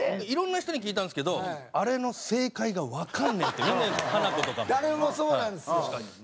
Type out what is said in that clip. いろんな人に聞いたんですけど「あれの正解がわかんねえ」ってみんな言うんですハナコとかも。誰もそうなんですよ。